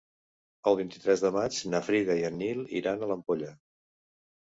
El vint-i-tres de maig na Frida i en Nil iran a l'Ampolla.